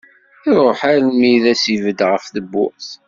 Iruḥ almi i d as-ibed ɣef tewwurt.